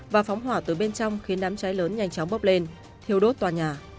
và phóng hỏa từ bên trong khiến đám cháy lớn nhanh chóng bốc lên thiêu đốt tòa nhà